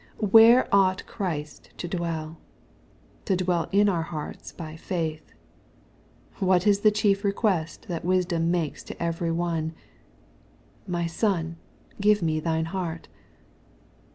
— Wherq ought Christ to dwell ? To dwell in our hearts by faith* — What is the chief request that Wisdom makes to every one ?" My son, give me thine heart."